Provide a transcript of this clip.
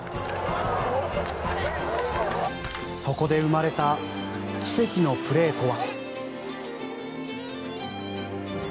そこで生まれた奇跡のプレーとは。